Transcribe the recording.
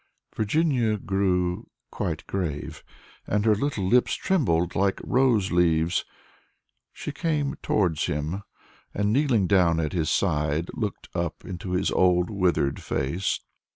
Virginia grew quite grave, and her little lips trembled like rose leaves. She came towards him, and kneeling down at his side, looked up into his old withered face.